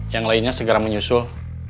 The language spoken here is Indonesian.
yang lainnya segera menyusul